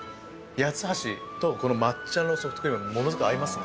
八ッ橋とこの抹茶のソフトクリーム、ものすごく合いますね。